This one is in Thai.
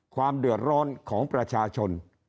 ความเดือดร้อนของประชาชน